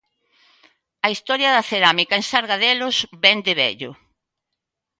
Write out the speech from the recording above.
A historia da cerámica en Sargadelos vén de vello.